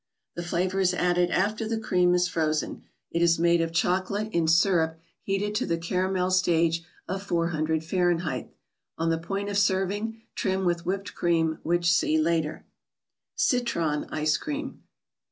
The flavor is added after the cream is frozen; it is made of chocolate in syrup heated to the caramel stage of 400 Fahrenheit. On the point of serving trim with Whipped Cream , which see later. ICE CREAMS. 25 Citron 3icc< Cream.